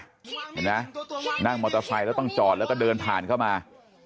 เห็นไหมนั่งมอเตอร์ไซค์แล้วต้องจอดแล้วก็เดินผ่านเข้ามา